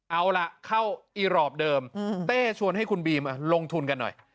เอาล่ะเข้าอีรอปเดิมเต้ชวนให้คุณบีมลงทุนกันหน่อย